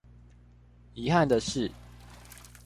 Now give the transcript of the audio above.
遺憾的是